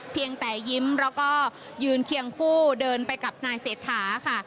เพียงแต่ยิ้มแล้วก็ยืนเคียงคู่เดินไปกับนายเศรษฐาค่ะ